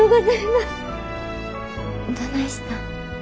どないしたん？